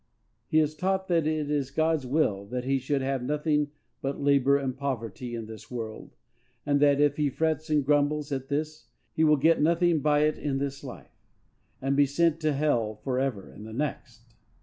He is taught that it is God's will that he should have nothing but labor and poverty in this world; and that, if he frets and grumbles at this, he will get nothing by it in this life, and be sent to hell forever in the next.